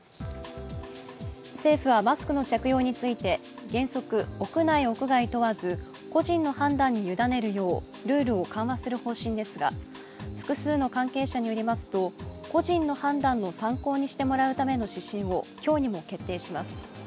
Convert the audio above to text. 政府はマスクの着用について原則、屋内・屋外問わず個人の判断に委ねるようルールを緩和する方針ですが複数の関係者によりますと、個人の判断の参考にしてもらうための指針を今日にも決定します。